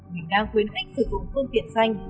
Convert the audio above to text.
mình đang khuyến khích sử dụng phương tiện xanh